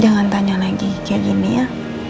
jangan tanya lagi kayak gini ya